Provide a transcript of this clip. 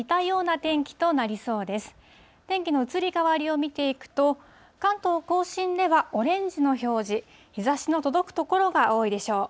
天気の移り変わりを見ていくと、関東甲信ではオレンジの表示、日ざしの届く所が多いでしょう。